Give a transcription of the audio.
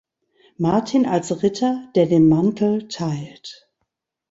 Martin als Ritter, der den Mantel teilt.